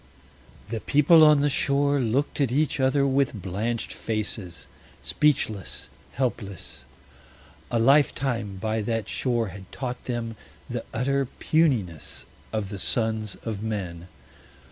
The people on the shore looked at each other with blanched faces, speechless, helpless. A lifetime by that shore had taught them the utter puniness of the sons of men.